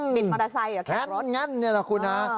บิดมอเตอร์ไซค์หรือแค่รถนั่นนี่นะคุณฮะ